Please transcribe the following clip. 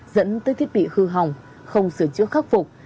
dẫn tới thiết bị hư hỏng không sửa chữa khắc phục